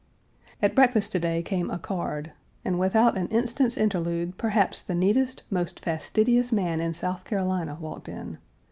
At breakfast to day came a card, and without an instant's interlude, perhaps the neatest, most fastidious man in South Carolina walked in.